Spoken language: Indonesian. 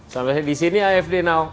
sampai disini afd now